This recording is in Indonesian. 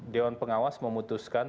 dewan pengawas memutuskan